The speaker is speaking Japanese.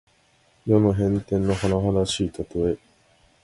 世の変転のはなはだしいたとえ。